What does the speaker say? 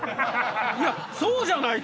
いやそうじゃないと！